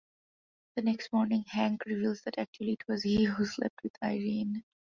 The next morning, Hank reveals that actually it was he who slept with Irene.